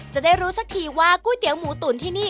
จะได้รู้สักทีว่าก๋วยเตี๋ยหมูตุ๋นที่นี่